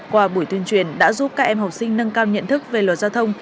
qua buổi tuyên truyền đã giúp các em học sinh nâng cao nhận thức về luật giao thông